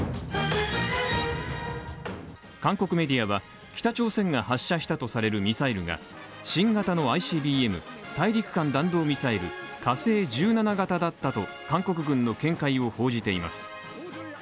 韓国メディアは、北朝鮮が発射したとされるミサイルが新型のＩＣＢＭ＝大陸間弾道ミサイル火星１７型だったと韓国軍の見解を報じています。